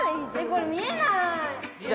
これ見えない！